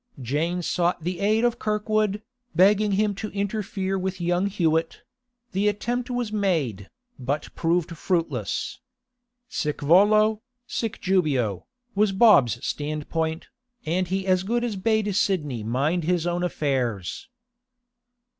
Jane sought the aid of Kirkwood, begging him to interfere with young Hewett; the attempt was made, but proved fruitless. 'Sic volo, sic jubeo,' was Bob's standpoint, and he as good as bade Sidney mind his own affairs.